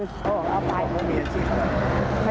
ถึงก็ไม่ไป